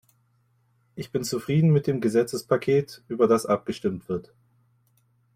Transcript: Ich bin zufrieden mit dem Gesetzespaket, über das abgestimmt wird.